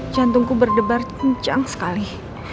jantungku berdebar kencang sekali